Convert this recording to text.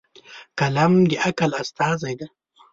قلم د عقل استازی دی.